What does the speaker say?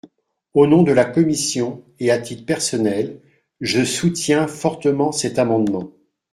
Au nom de la commission et à titre personnel, je soutiens fortement cet amendement.